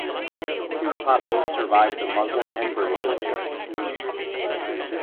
Tirupati survived the Muslim and British invasions.